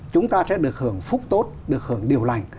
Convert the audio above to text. chúng ta sẽ được hưởng phúc tốt được hưởng điều lành